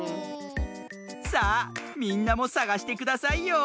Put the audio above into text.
さあみんなもさがしてくださいよ。